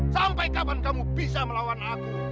sampai kapan kamu bisa melawan aku